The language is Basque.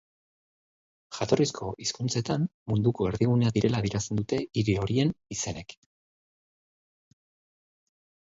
Jatorrizko hizkuntzetan, munduko erdigunea direla adierazten dute hiri horien izenek.